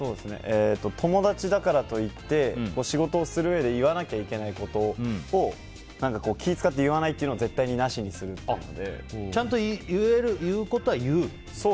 友達だからといって仕事をするうえで言わなければいけないことを気を使って言わないというのはちゃんと言うことは言う？